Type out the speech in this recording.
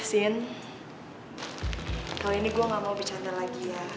sien kali ini gue gak mau bicara lagi ya